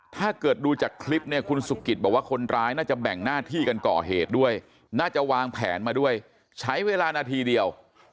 ถ้าเกิดดูจากคลิปเนี่ยคุณสุกิตบอกว่าคนร้ายน่าจะแบ่งหน้าที่กันก่อเหตุด้วย